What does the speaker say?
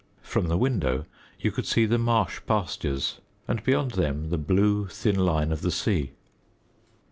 From the window you could see the marsh pastures, and beyond them the blue, thin line of the sea.